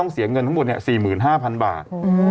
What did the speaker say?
เสียเงินทั้งหมด๔๕๐๐๐บาท